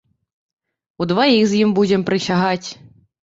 Удваіх з ім будзем прысягаць!